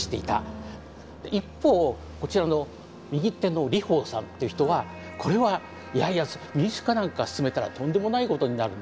一方こちらの右手の李鵬さんっていう人はこれはいやいや民主化なんか進めたらとんでもないことになると。